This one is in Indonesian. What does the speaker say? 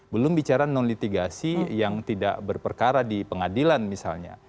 belum bicara non litigasi yang tidak berperkara di pengadilan misalnya